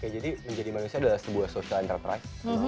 menjadi manusia adalah sebuah social enterprise